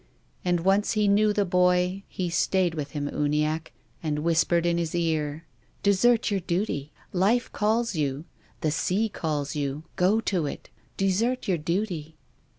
And once he knew the boy, he stayed with him, Uniacke, and whispered in his ear —' Desert your duty. Life calls you. The sea calls you. Go to it. Desert your duty